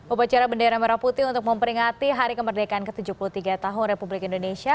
upacara bendera merah putih untuk memperingati hari kemerdekaan ke tujuh puluh tiga tahun republik indonesia